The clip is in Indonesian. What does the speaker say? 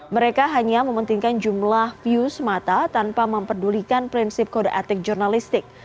mereka hanya mementingkan jumlah views mata tanpa memperdulikan prinsip kode etik jurnalistik